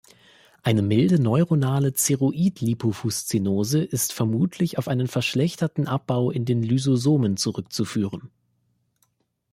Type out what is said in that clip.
Eine milde Neuronale Ceroid-Lipofuszinose ist vermutlich auf einen verschlechterten Abbau in den Lysosomen zurückzuführen.